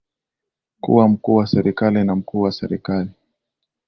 kuwa mkuu wa serikali na mkuu wa serikali